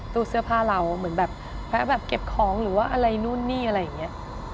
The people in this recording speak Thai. ตู้เสื้อผ้าเราเหมือนแบบแวะแบบเก็บของหรือว่าอะไรนู่นนี่อะไรอย่างนี้